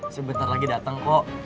sebentar lagi dateng kok